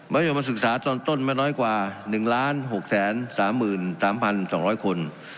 โยมศึกษาตอนต้นไม่น้อยกว่า๑๖๓๓๒๐๐คน